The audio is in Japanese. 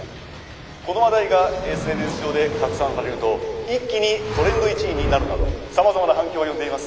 この話題がＳＮＳ上で拡散されると一気にトレンド１位になるなどさまざまな反響を呼んでいます。